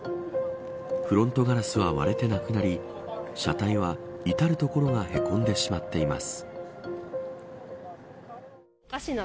フロントガラスは割れてなくなり車体は至るところがへこんでしまっています。